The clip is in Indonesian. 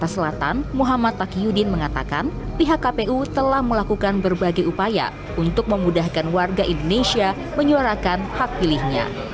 di kpu selatan muhammad pakyudin mengatakan pihak kpu telah melakukan berbagai upaya untuk memudahkan warga indonesia menyuarakan hak pilihnya